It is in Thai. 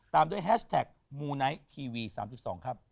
ตามด้วยแฮชแท็กมูไนท์ทีวี๓๒ครับ